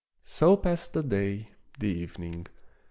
So passed the day, the evening.